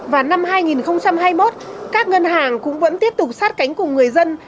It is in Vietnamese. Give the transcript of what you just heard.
và năm hai nghìn hai mươi một các ngân hàng cũng vẫn tiếp tục sát cánh cùng người dân